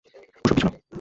ওসব কিছু না।